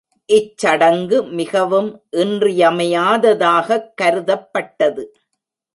இச்சடங்கு மிகவும் இன்றியமையாததாகக் கருதப்பட்டது.